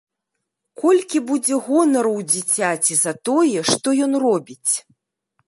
Колькі будзе гонару ў дзіцяці за тое, што ён робіць!